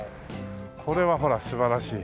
これはほら素晴らしい。